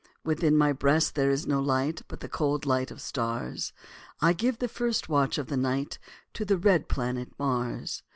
Within my breast there is no light, But the cold light of stars; I give the first watch of the night To the red planet Mars.